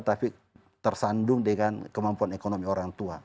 tapi tersandung dengan kemampuan ekonomi orang tua